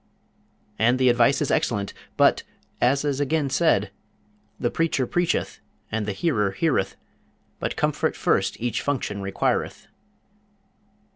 And the advice is excellent; but, as is again said: The preacher preacheth, and the hearer heareth, But comfort first each function requireth.